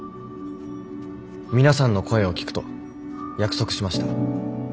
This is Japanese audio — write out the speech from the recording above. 皆さんの声を聞くと約束しました。